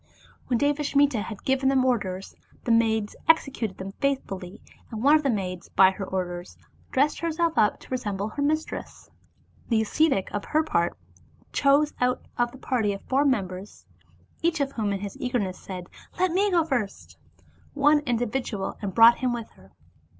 When Devasmita had given these orders, the maids executed them faithfully, and one of the maids, by her orders, dressed herself up to re semble her mistress. The ascetic for her part chose out of the party of four merchants (each of whom in his eager ness said —" Let me go first "—) one individual, and brought him with her.